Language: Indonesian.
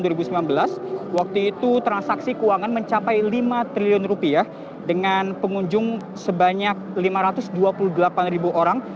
dan setelah itu transaksi keuangan mencapai lima triliun rupiah dengan pengunjung sebanyak lima ratus dua puluh delapan ribu orang